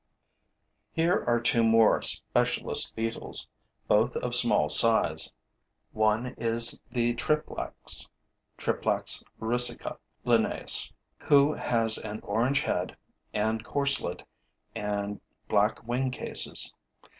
Here are two more specialist beetles, both of small size. One is the Triplax (Triplax russica, LIN.), who has an orange head and corselet and black wing cases.